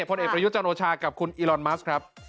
ผลเอกประยุทธ์จันโอชากับคุณอีลอนมัสครับ